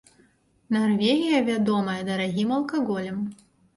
Нарвегія вядомая дарагім алкаголем.